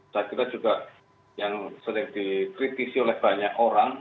saya kira juga yang sering dikritisi oleh banyak orang